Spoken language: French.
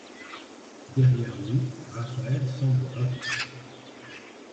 Derrière nous, Raphaëlle semble ravie.